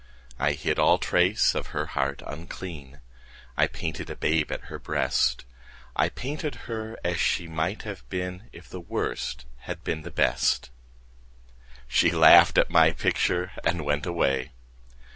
I hid all trace of her heart unclean; I painted a babe at her breast; I painted her as she might have been If the Worst had been the Best. She laughed at my picture and went away.